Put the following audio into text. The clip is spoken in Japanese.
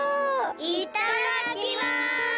いっただっきます！